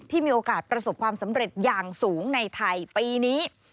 มีโอกาสประสบความสำเร็จอย่างสูงในไทยปีนี้